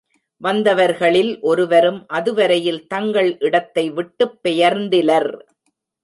வந்தவர்களில் ஒருவரும் அதுவரையில் தங்கள் இடத்தை விட்டுப் பெயர்ந்திலர்.